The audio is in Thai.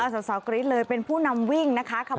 แสบสาวกริ๊ดเป็นผู้นำวิ่ง